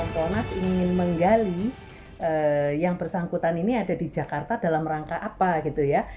kompolnas ingin menggali yang bersangkutan ini ada di jakarta dalam rangka apa gitu ya